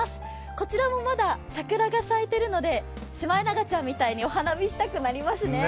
こちらもまだ桜が咲いているので、シマエナガちゃんみたいにお花見したくなりますね。